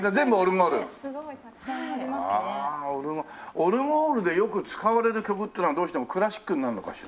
オルゴールでよく使われる曲っていうのはどうしてもクラシックになるのかしら？